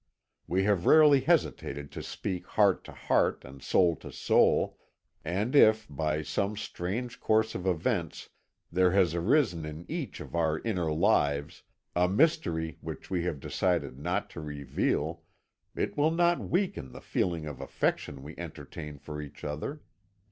We have rarely hesitated to speak heart to heart and soul to soul; and if, by some strange course of events, there has arisen in each of our inner lives a mystery which we have decided not to reveal, it will not weaken the feeling of affection we entertain for each other.